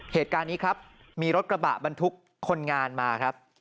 เหตุการณ์นี้ครับมีรถกระบะบรรทุกคนงานมาครับ